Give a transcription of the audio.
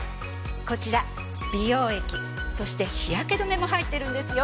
こちら美容液そして日焼け止めも入ってるんですよ。